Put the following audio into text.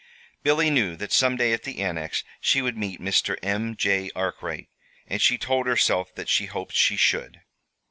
Billy knew that some day at the Annex she would meet Mr. M. J. Arkwright; and she told herself that she hoped she should.